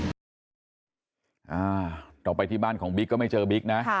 เราไปที่บ้านของบิ๊กก็ไม่เจอบิ๊กนะ